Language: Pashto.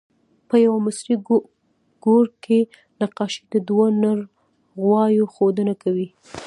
په یوه مصري ګور کې نقاشي د دوه نر غوایو ښودنه کوي.